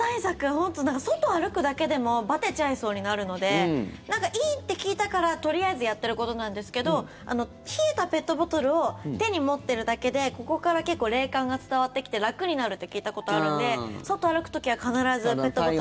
本当、外歩くだけでもバテちゃいそうになるのでいいって聞いたからとりあえずやってることなんですけど冷えたペットボトルを手に持ってるだけでここから結構冷感が伝わってきて楽になるって聞いたことあるんで外歩く時は必ずペットボトル。